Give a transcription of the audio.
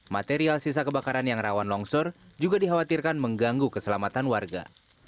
material sisa kebakaran yang rawan longsor juga dikhawatirkan mengganggu keselamatan warga